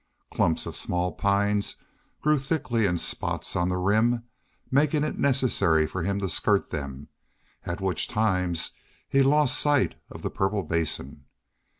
Clumps of small pines grew thickly in spots on the Rim, making it necessary for him to skirt them; at which times he lost sight of the purple basin.